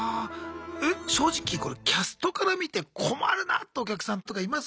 え正直これキャストから見て困るなってお客さんとかいます？